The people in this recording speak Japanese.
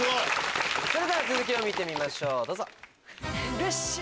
それでは続きを見てみましょうどうぞ。